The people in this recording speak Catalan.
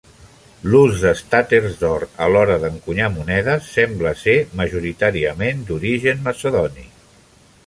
L'ús d'estàters d'or a l'hora d'encunyar monedes sembla ser majoritàriament d'origen macedoni.